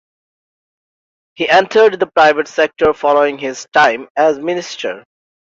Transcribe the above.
He entered the private sector following his time as Minister.